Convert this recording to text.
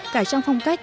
cả trong phong cách